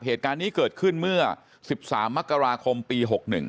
เหตุการณ์นี้เกิดขึ้นเมื่อ๑๓มกราคมปี๖๑